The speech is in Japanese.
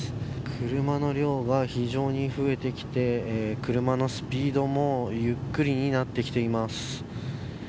車の量が非常に増えてきて車のスピードもゆっくりになってきています。